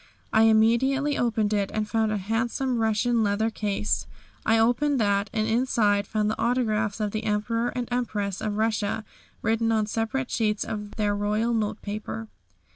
I immediately opened it and found a handsome Russian leather case. I opened that, and inside found the autographs of the Emperor and Empress of Russia, written on separate sheets of their royal note paper.